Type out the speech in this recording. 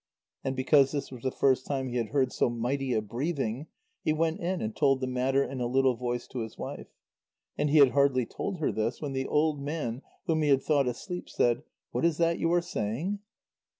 And because this was the first time he had heard so mighty a breathing, he went in and told the matter in a little voice to his wife. And he had hardly told her this, when the old man, whom he had thought asleep, said: "What is that you are saying?"